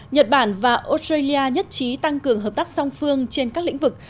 nhật bản và australia nhất trí tăng cường hợp tác song phương trên các lĩnh vực